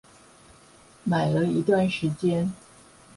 買了一段時間